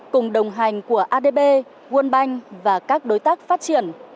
cùng đồng hành của adb quân banh và các đối tác phát triển